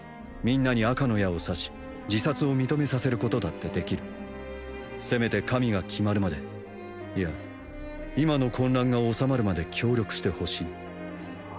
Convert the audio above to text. みんなに赤の矢を刺し自殺を認めさせることだってできるせめて神が決まるまでいや今の混乱が収まるまで協力してほしい